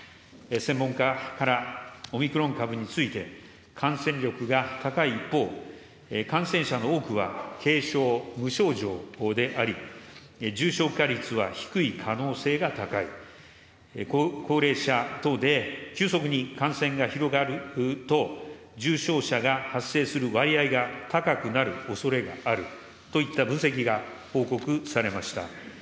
専門家からオミクロン株について、感染力が高い一方、感染者の多くは軽症、無症状であり、重症化率は低い可能性が高い、高齢者等で急速に感染が広がると、重症者が発生する割合が高くなるおそれがあるといった分析が報告されました。